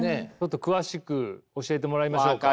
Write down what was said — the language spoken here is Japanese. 詳しく教えてもらいましょうか。